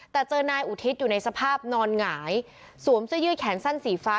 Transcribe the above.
แต่เจอนายอุทิศอยู่ในสภาพนอนหงายสวมเสื้อยืดแขนสั้นสีฟ้า